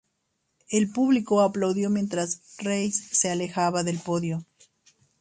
El público aplaudió mientras Race se alejaba del podio.